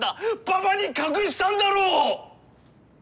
パパに隠したんだろ！？